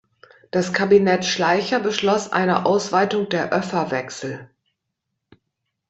Das Kabinett Schleicher beschloss eine Ausweitung der Öffa-Wechsel.